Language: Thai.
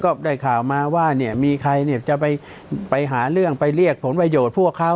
ก็ได้ข่าวมาว่าเนี่ยมีใครเนี่ยจะไปหาเรื่องไปเรียกผลประโยชน์พวกเขา